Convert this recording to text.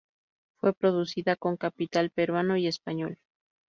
Fue producida con capital peruano y español.